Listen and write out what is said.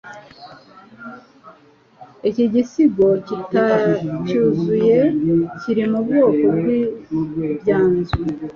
Iki gisigo kitacyuzuye, kiri mu bwoko bw'" Ibyanzu ".